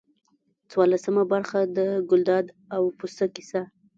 څوارلسمه برخه د ګلداد او پسه کیسه.